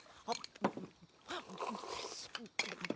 あっ。